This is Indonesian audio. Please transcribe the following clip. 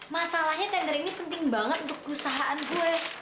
masalahnya tender ini penting banget untuk perusahaan gue